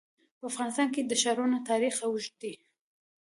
په افغانستان کې د ښارونه تاریخ اوږد دی.